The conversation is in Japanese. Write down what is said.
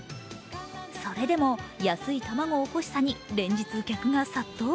それでも安い卵を欲しさに連日、客が殺到。